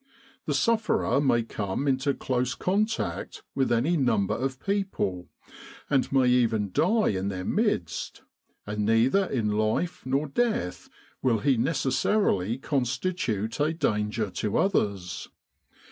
The sufferer may come into close contact with any number of people, and may even die in their midst; and neither in life nor death will he necessarily constitute a danger to others.